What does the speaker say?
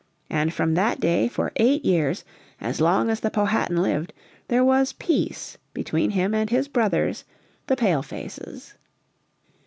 And from that day for eight years, as long as the Powhatan lived, there was peace between him and his brothers, the Pale faces.